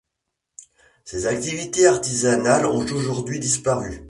Ces activités artisanales ont aujourd’hui disparu.